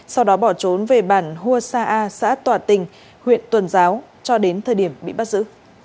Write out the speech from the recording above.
sau đó bỏ trốn về bản hua sa a xã tỏa tình huyện tuần giáo cho đến thời điểm bị bắt giữ